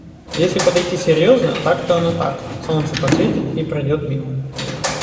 Если подойти серьезно — так-то оно так. Солнце посветит — и пройдет мимо.